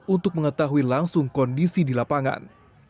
untuk mengetahui langsung kondisi di lapangan